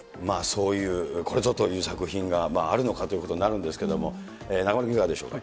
そういう、ここぞという作品があるのかということなんですけれども、中丸君、いかがでしょう